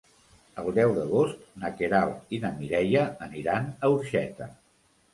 El deu d'agost na Queralt i na Mireia aniran a Orxeta.